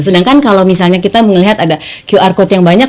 sedangkan kalau misalnya kita melihat ada qr code yang banyak